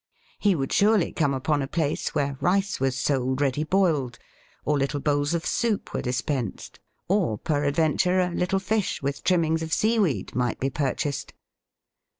He would surely come upon a place where rice was sold ready boiled, or little bowls of soup were dispensed, or, peradventure, a little fish, with trimmings of seaweed, might be purchased.